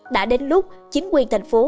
đã đến lúc chính quyền thành phố